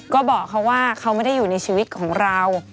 ก็บอกเขาว่าเขาไม่ได้อยู่ในชีวิตของเรา